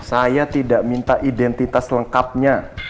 saya tidak minta identitas lengkapnya